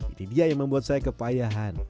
ini dia yang membuat saya kepayahan